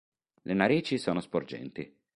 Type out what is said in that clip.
Le narici sono sporgenti.